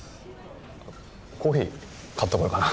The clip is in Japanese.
コーヒー取ってこようかな。